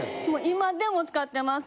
今でも使ってます。